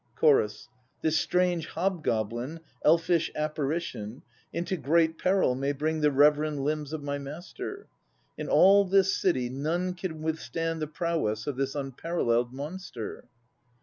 CHORUS. This strange hobgoblin, elfish apparition, Into great peril may bring The reverend limbs of my master. In all this City none can withstand the prowess Of this unparalleled monster.